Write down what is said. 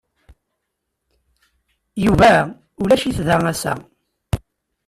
Yuba ulac-it da ass-a.